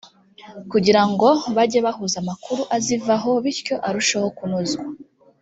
kugira ngo bajye bahuza amakuru azivaho bityo arushesho kunozwa